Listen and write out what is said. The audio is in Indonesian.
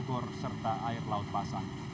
ekor serta air laut pasang